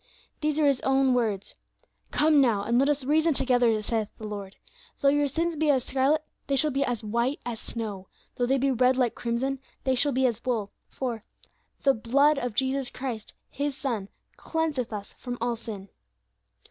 "These are His own words, 'Come, now, and let us reason together, saith the Lord, though your sins be as scarlet, they shall be as white as snow; though they be red like crimson, they shall be as wool,' for 'The blood of Jesus Christ, His Son, cleanseth us from all sin.'